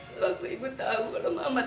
sewaktu ibu tahu kalau mamat